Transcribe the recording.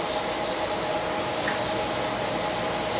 ต้องเติมเนี่ย